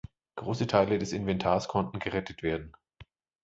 Große Teile des Inventars konnten gerettet werden.